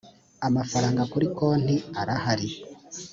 amafaranga kuri konti arahari